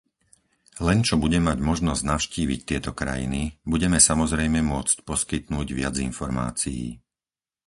Len čo budem mať možnosť navštíviť tieto krajiny, budeme samozrejme môcť poskytnúť viac informácií.